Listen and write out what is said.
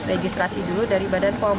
registrasi dulu dari badan pom